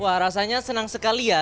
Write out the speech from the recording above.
wah rasanya senang sekali ya